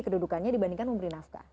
kedudukannya dibandingkan memberi nafkah